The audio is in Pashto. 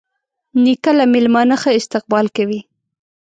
نیکه له میلمانه ښه استقبال کوي.